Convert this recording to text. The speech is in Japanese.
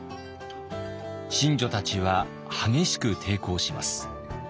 神女たちは激しく抵抗します。